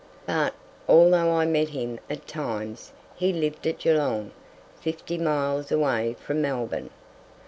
But, although I met him at times, he lived at Geelong, fifty miles away from Melbourne.